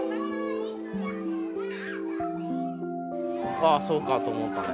「ああそうか」と思ったね。